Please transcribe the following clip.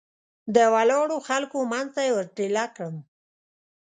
د ولاړو خلکو منځ ته یې ور ټېله کړم.